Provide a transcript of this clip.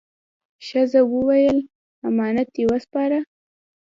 ښځه وویل: «امانت دې وسپاره؟»